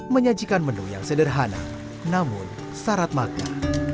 menyajikan menu yang sederhana namun syarat makan